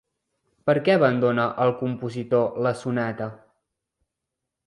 Per què abandona el compositor la sonata?